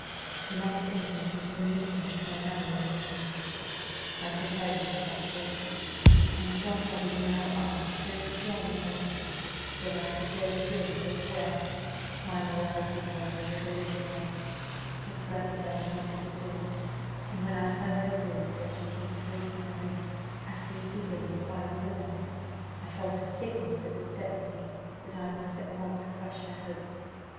"The next thing was the meeting my mother in the morning; I prepared myself for it, and thought I was now armed so strong in honesty that I could go through with it well: my morality, however, was a little nervous, was fluttered by the knock at the door, and, when I heard her voice as she came towards my room, asking eagerly if I was alone, I felt a sickness at the certainty that I must at once crush her hopes.